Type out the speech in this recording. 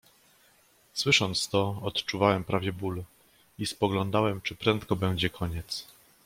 "Słysząc to, odczuwałem prawie ból i spoglądałem czy prędko będzie koniec."